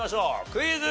クイズ。